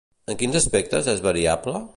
En quins aspectes és variable?